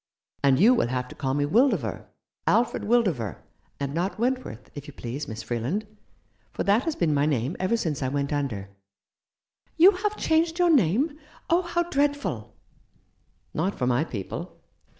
" And you will have to call me Wildover — Alfred Wildover — and not Wentworth, if you please, Miss Freeland ; for that has been my name ever since I went under." 14 " How should I greet Thee ?"" You have changed your name ? Oh, how dreadful !" "Not for my people.